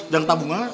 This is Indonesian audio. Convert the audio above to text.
jangan tabung ah